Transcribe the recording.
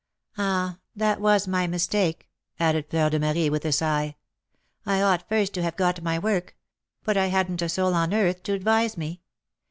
Ah, that was my mistake," added Fleur de Marie, with a sigh. "I ought first to have got my work; but I hadn't a soul on earth to advise me.